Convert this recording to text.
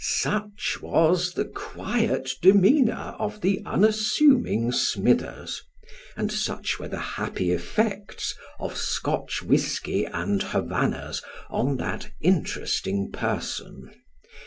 Such was the quiet demeanour of the unassuming Smithers, and such were the happy effects of Scotch whiskey and Havannahs on that interesting person